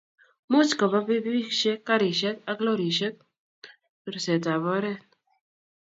much koba pipikishek, karishek ak lorishet rusetab oret